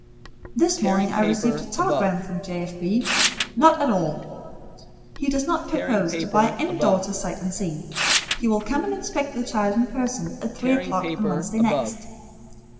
This morning I received a telegram from J. F. B. Not at all! He does not purpose to buy any daughter sight unseen. He will come and inspect the child in person at three o'clock on Wednesday next.